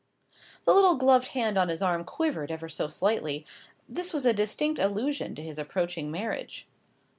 The little gloved hand on his arm quivered ever so slightly. This was a distinct allusion to his approaching marriage.